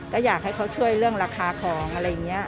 ก็อยากให้เขาช่วยเรื่องราคาของ